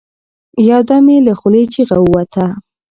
يو دم يې له خولې چيغه ووته.